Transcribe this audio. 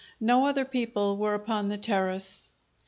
No other people were upon the terrace.